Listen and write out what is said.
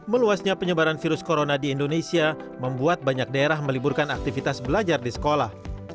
meluasnya penyebaran virus corona di indonesia membuat banyak daerah meliburkan aktivitas belajar di sekolah